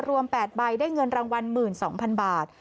รวม๘ใบได้เงินรางวัล๑๒๐๐๐บาท